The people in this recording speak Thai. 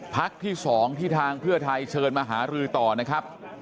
พักที่๒ที่ทางเพื่อไทยเชิญมาหารือต่อนะครับ